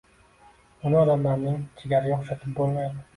Uni “odamning jigariga” o‘xshatib bo‘lmaydi.